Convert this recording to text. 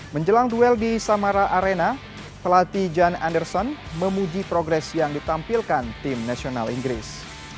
menjelang duel di samara arena pelatih jan anderson memuji progres yang ditampilkan tim nasional inggris